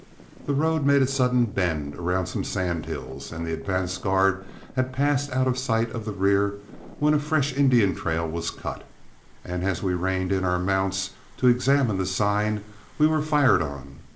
The road made a sudden bend around some sand hills, and the advance guard had passed out of sight of the rear, when a fresh Indian trail was cut; and as we reined in our mounts to examine the sign, we were fired on.